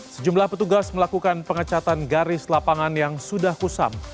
sejumlah petugas melakukan pengecatan garis lapangan yang sudah kusam